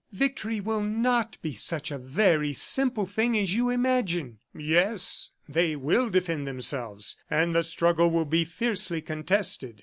"Victory will not be such a very simple thing as you imagine." "Yes, they will defend themselves, and the struggle will be fiercely contested.